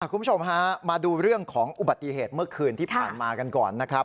คุณผู้ชมฮะมาดูเรื่องของอุบัติเหตุเมื่อคืนที่ผ่านมากันก่อนนะครับ